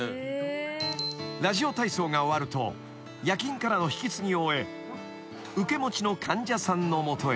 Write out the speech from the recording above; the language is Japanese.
［ラジオ体操が終わると夜勤からの引き継ぎを終え受け持ちの］